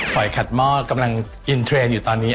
อยขัดหม้อกำลังอินเทรนด์อยู่ตอนนี้